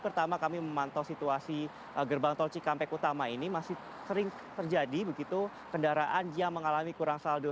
pertama kami memantau situasi gerbang tol cikampek utama ini masih sering terjadi begitu kendaraan yang mengalami kurang saldo